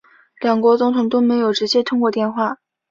两国总统都没有直接通过电话